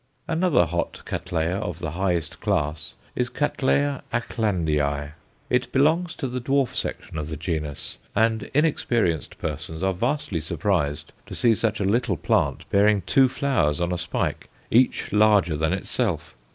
Another hot Cattleya of the highest class is C. Acklandiæ It belongs to the dwarf section of the genus, and inexperienced persons are vastly surprised to see such a little plant bearing two flowers on a spike, each larger than itself.